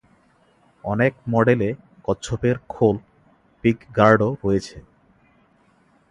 অনেক মডেলে কচ্ছপের খোল পিকগার্ডও রয়েছে।